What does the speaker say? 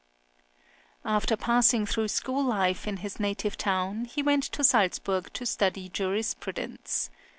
After passing through school life in his native town, he went to Salzburg to study jurisprudence.